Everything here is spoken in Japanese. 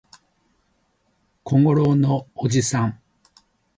小五郎のおじさん